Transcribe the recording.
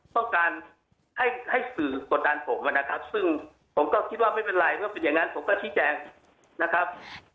ต้องการให้สื่อกดดันผมนะครับซึ่งผมก็คิดว่าไม่เป็นไรเมื่อเป็นอย่างนั้นผมก็ชี้แจงนะครับ